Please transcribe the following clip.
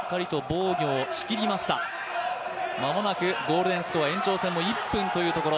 間もなくゴールデンスコア延長戦も１分というところ。